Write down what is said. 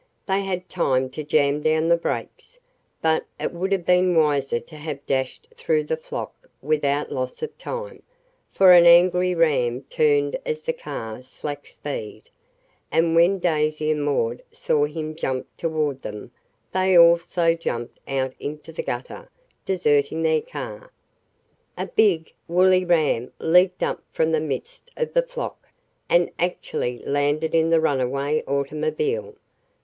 They had time to jam down the brakes, but it would have been wiser to have dashed through the flock without loss of time, for an angry ram turned as the car slacked speed, and when Daisy and Maud saw him jump toward them, they also jumped out into the gutter, deserting their car. A big, woolly ram leaped up from the midst of the flock, and actually landed in the runaway automobile.